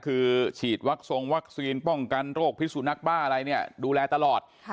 คือฉีดวัคซงวัคซีนป้องกันโรคพิสุนักบ้าอะไรเนี่ยดูแลตลอด